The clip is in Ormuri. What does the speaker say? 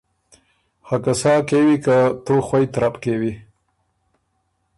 خه که سا کېوی که تُو خوئ ترپ کېوي